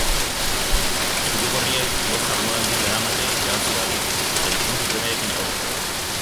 Zuri-gorriek bost jardunaldi daramate irabazi barik eta puntu premiarekin daude.